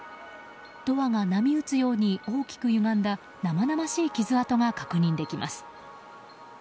ドアが波打つように大きくゆがんだ生々しい傷跡が確認できます。